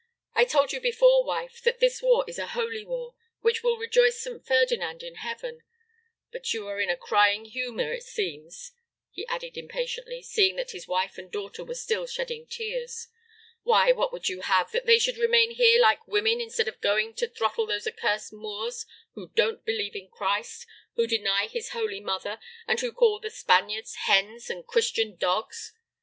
I told you before, wife, that this war is a holy war, which will rejoice St. Ferdinand in heaven. But you are in a crying humor, it seems," he added impatiently, seeing that his wife and daughter were still shedding tears. "Why, what would you have? That they should remain here like women, instead of going to throttle those accursed Moors who don't believe in Christ, who deny His Holy Mother, and who call the Spaniards 'hens' and 'Christian dogs'?